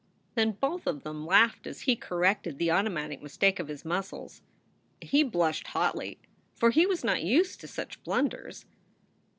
Then both of them laughed as he corrected the automatic mistake of his muscles. He blushed hotly, for he was not used to such blunders.